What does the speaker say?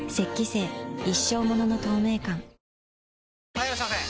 ・はいいらっしゃいませ！